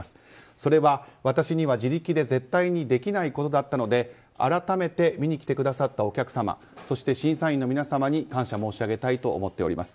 それは私には自力で絶対にできないことだったので改めて見に来てくださったお客様そして審査員の皆様に感謝申し上げたいと思っております。